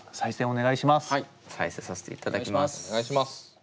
お願いします。